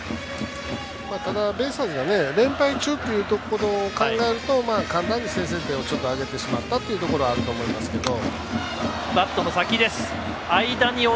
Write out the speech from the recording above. ただベイスターズが連敗中ということを考えると簡単に先制点をあげてしまったというところはありますけど。